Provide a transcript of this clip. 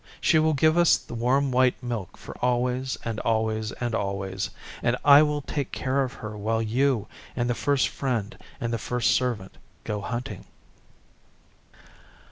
She will give us the warm white milk for always and always and always, and I will take care of her while you and the First Friend and the First Servant go hunting.